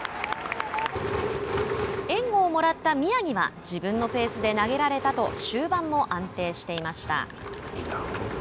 援護をもらった宮城は自分のペースで投げられたと終盤も安定していました。